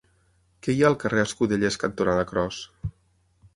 Què hi ha al carrer Escudellers cantonada Cros?